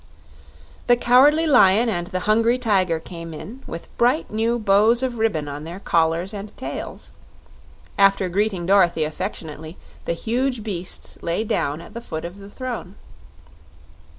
The Cowardly Lion and the Hungry Tiger came in, with bright new bows of ribbon on their collars and tails. After greeting Dorothy affectionately the huge beasts lay down at the foot of the throne.